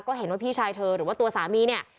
ก็เห็นว่าพี่ชายเธอหรือว่าตัวสามีเนี่ย